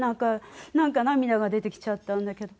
なんか涙が出てきちゃったんだけど。